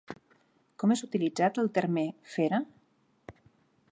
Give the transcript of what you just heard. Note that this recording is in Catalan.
Com és utilitzat el terme “fera”?